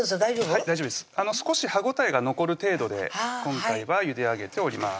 はい大丈夫です少し歯応えが残る程度で今回はゆで上げております